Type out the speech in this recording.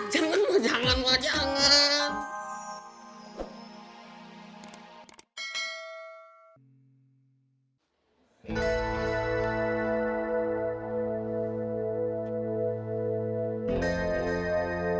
jangan mak jangan mak jangan